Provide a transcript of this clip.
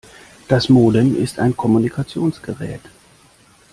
Das Modem ist ein Kommunikationsgerät.